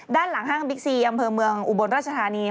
ด้านหลังห้างบิ๊กซีอำเภอเมืองอุบลราชธานี